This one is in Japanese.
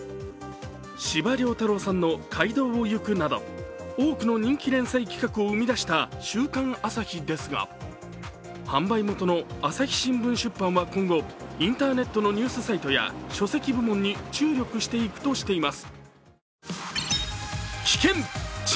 司馬遼太郎さんの「街道をゆく」など多くの人気連載企画を生み出した「週刊朝日」ですが販売元の朝日新聞出版は今後、インターネットのニュースサイトや書籍部門に注力していくとしています。